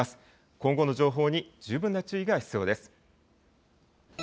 今後の情報に十分な注意が必要です。